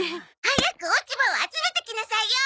早く落ち葉を集めてきなさいよ！